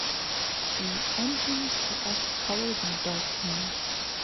The engines were also coloured in dark green.